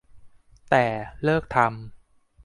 แต่ เลิกทำ